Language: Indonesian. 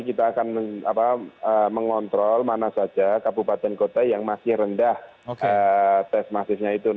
kita akan mengontrol mana saja kabupaten kota yang masih rendah tes masifnya itu